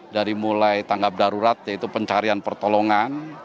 dari mulai tanggap darurat yaitu pencarian pertolongan